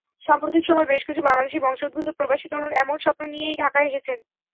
সাম্প্রতিক সময়ে বেশ কিছু বাংলাদেশি বংশোদ্ভূত প্রবাসী তরুণ এমন স্বপ্ন নিয়েই ঢাকায় এসেছেন।